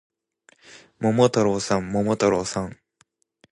桃太郎さん、桃太郎さん